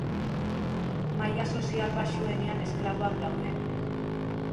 Maila sozial baxuenean esklaboak daude.